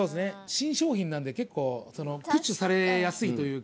新商品なので結構プッシュされやすいというか。